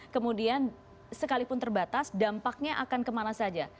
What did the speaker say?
kemudian sekalipun terbatas dampaknya akan kemana saja